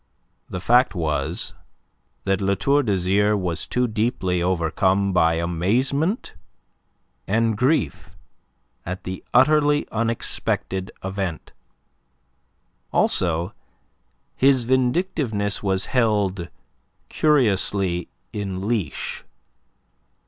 The fact was that La Tour d'Azyr was too deeply overcome by amazement and grief at the utterly unexpected event. Also his vindictiveness was held curiously in leash.